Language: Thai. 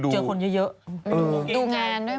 ดูงานด้วยมั้ง